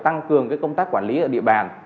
tăng cường công tác quản lý ở địa bàn